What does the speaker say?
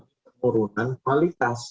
dan juga penurunan kualitas